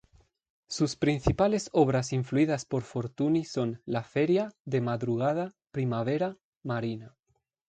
Sus principales obras influidas por Fortuny son "La feria", "De madrugada", "Primavera", "Marina".